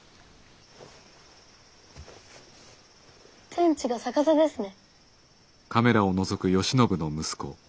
天地が逆さですね。